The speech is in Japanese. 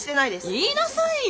言いなさいよ。